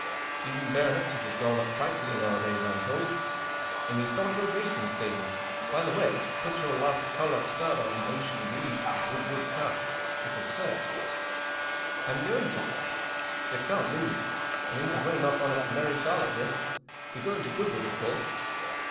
Even baronetcies have gone up frightfully nowadays. I'm told. And he's started a racing stable. By the way, put your last collar stud on Ocean Breeze for the Goodwood Cup. It's a cert.'* " I'm going to/ 1 It can't lose. 1 mean to w in enough on it to marry Charlotte with. You Ye going to Goodwood, of course